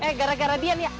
eh gara gara dia nih